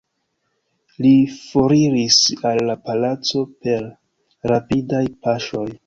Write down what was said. Li foriris al la palaco per rapidaj paŝoj.